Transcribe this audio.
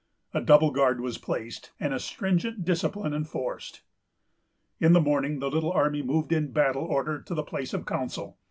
A double guard was placed, and a stringent discipline enforced. In the morning, the little army moved in battle order to the place of council.